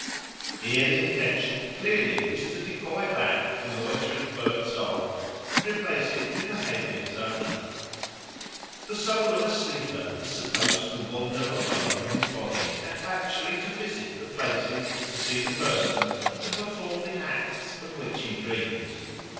Here the intention clearly is to decoy back the loitering bird soul and replace it in the head of its owner. The soul of a sleeper is supposed to wander away from his body and actually to visit the places, to see the persons, and to perform the acts of which he dreams.